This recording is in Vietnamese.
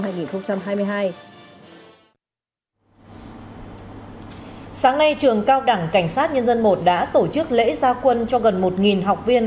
sáng nay trường cao đẳng cảnh sát nhân dân i đã tổ chức lễ gia quân cho gần một học viên